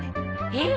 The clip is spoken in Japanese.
えっ？